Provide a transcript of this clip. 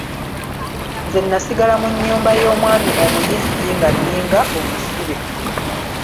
Nze nasigala mu nnyumba y'omwami omuyizzi nga nninganga omusibe.